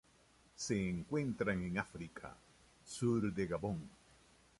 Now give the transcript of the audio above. Se encuentran en África: sur de Gabón.